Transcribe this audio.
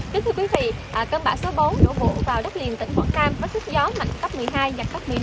thưa quý vị cơn bão số bốn đổ vụ vào đất liền tỉnh quảng nam với sức gió mạnh cấp một mươi hai và cấp một mươi năm